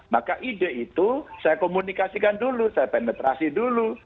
maka ide itu saya komunikasikan dulu saya penetrasi dulu